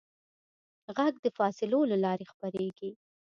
غږ د فاصلو له لارې خپرېږي.